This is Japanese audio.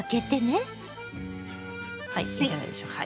はいいいんじゃないでしょうか。